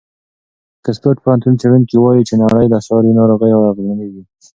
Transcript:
د اکسفورډ پوهنتون څېړونکي وایي چې نړۍ له ساري ناروغیو اغېزمنېږي.